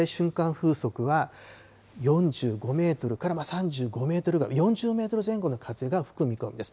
風速は、４５メートルから３５メートルぐらい、４０メートル前後の風が吹く見込みです。